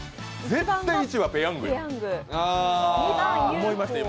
絶対１はペヤングよ。